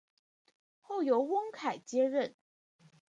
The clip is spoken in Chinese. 后由翁楷接任。